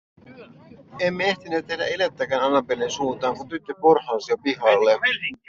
Emme ehtineet tehdä elettäkään Annabellen suuntaan, kun tyttö porhalsi jo pihalle.